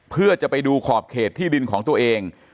เพื่อจะไปดูขอบเขตที่ดินของตัวเอง